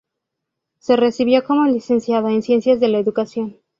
Se recibió como Licenciado en Ciencias de la Educación.